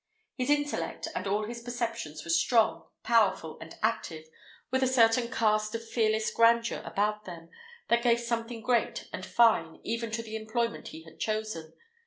His intellect and all his perceptions were strong, powerful, and active, with a certain cast of fearless grandeur about them, that gave something great and fine even to the employment he had chosen.